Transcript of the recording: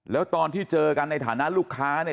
แล้วตอนที่เจอกันในฐานะลูกค้าเนี่ย